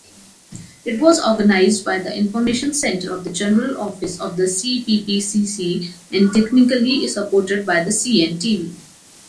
It was organized by the Information Center of the General Office of the CPPCC and technically supported by the CNTV.